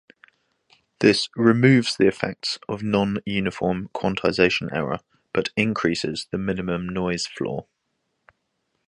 This removes the effects of non-uniform quantization error, but increases the minimum noise floor.